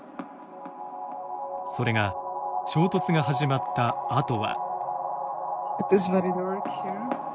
それが、衝突が始まったあとは。